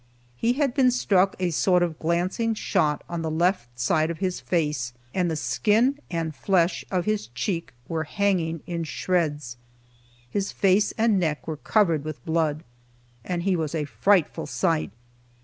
He had been struck a sort of glancing shot on the left side of his face, and the skin and flesh of his cheek were hanging in shreds. His face and neck were covered with blood and he was a frightful sight.